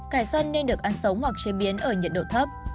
cải xoăn nên được ăn sống hoặc chế biến ở nhiệt độ thấp